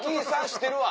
知ってるわ。